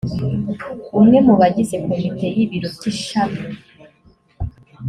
umwe mu bagize komite y ibiro byi ishami